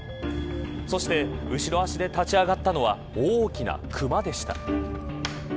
そして後ろ足で立ち上がったのは大きなクマでした。